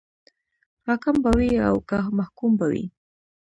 حاکم به وي او که محکوم به وي.